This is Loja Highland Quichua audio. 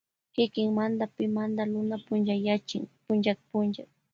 Kikinmada pimanda luna punchayachin punllak punllak.